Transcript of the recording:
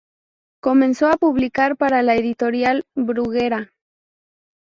Comenzó a publicar para la Editorial Bruguera.